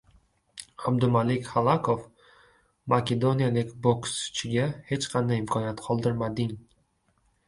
Abdumalik Xalakov makedoniyalik bokschiga hech qanday imkoniyat qoldirmading